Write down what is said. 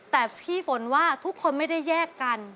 แต่พี่ฝนว่าทุกคนไม่ได้แยกกัน